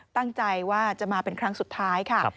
ตั้งใจว่าจะมาเป็นครั้งสุดท้ายค่ะ